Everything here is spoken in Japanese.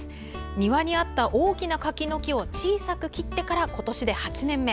庭にあった大きな柿の木を小さく切ってから今年で８年目。